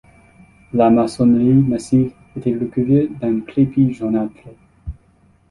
La maçonnerie massive était recouverte d'un crépi jaunâtre.